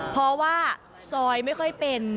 เพราะว่าซอยไม่ค่อยเป็น